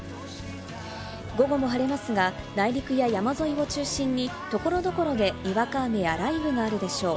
午後も晴れますが、内陸や山沿いを中心に、所々でにわか雨や雷雨があるでしょう。